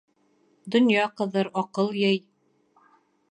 — Донъя ҡыҙыр, аҡыл йый.